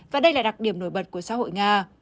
và đây là đặc điểm nổi bật của xã hội nga